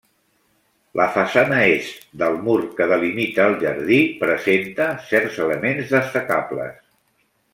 La façana est del mur que delimita el jardí presenta certs elements destacables.